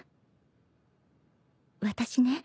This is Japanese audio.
私ね